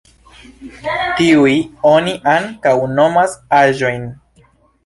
Tiujn oni ankaŭ nomas aĵojn.